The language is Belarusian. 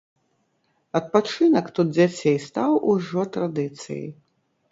Адпачынак тут дзяцей стаў ужо традыцыяй.